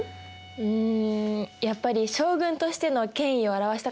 うんやっぱり将軍としての権威を表したかったからかな。